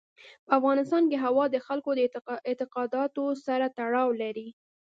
په افغانستان کې هوا د خلکو د اعتقاداتو سره تړاو لري.